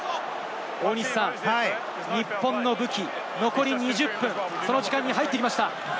日本の武器、残り２０分、その時間に入ってきました。